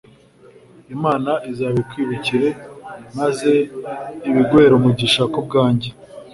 Imana izabikwibukire maze ibiguhere umugisha kubwanjye